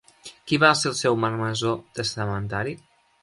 Qui va ser el seu marmessor testamentari?